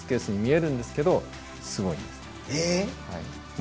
え！